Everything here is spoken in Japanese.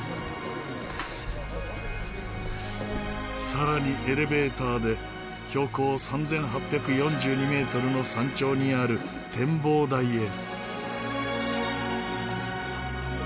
さらにエレベーターで標高３８４２メートルの山頂にある展望台へ。